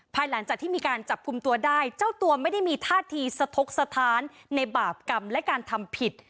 ภายหลังจากที่มีการจับกลุ่มตัวได้เจ้าตัวไม่ได้มีท่าทีสะทกสถานในบาปกรรมและการทำผิด